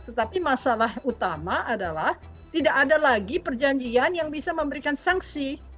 tetapi masalah utama adalah tidak ada lagi perjanjian yang bisa memberikan sanksi